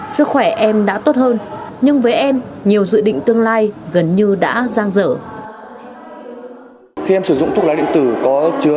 sức khỏe em đã tốt hơn nhưng với em nhiều dự định tương lai gần như đã giang dở